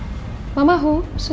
sama mama juga sus